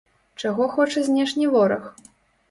Чаго хоча знешні вораг?